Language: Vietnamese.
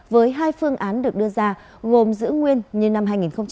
với hai phương án được đưa ra gồm giữ nguyên như năm hai nghìn một mươi chín